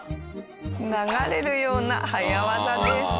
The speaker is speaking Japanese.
流れるような早業です。